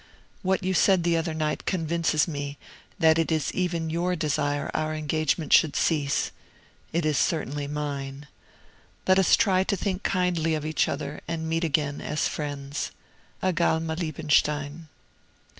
What you said the other night convinces me that it is even your desire our engagement should cease. It is certainly mine. Let us try to think kindly of each other and meet again as friends. AGALMA LIEBENSTEIN."